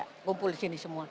kumpul di sini semua